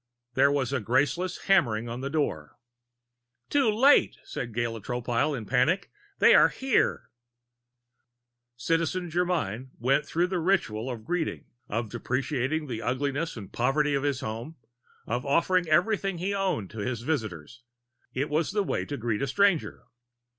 There was a graceless hammering on the door. "Too late!" cried Gala Tropile in panic. "They are here!" Citizen Germyn went through the ritual of greeting, of deprecating the ugliness and poverty of his home, of offering everything he owned to his visitors; it was the way to greet a stranger.